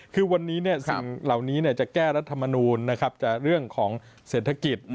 คือวันนี้สิ่งเหล่านี้จะแก้รัฐมนูลจะเรื่องของเศรษฐกิจ